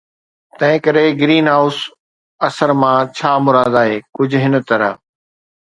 تنهنڪري greenhouse اثر مان ڇا مراد آهي ڪجهه هن طرح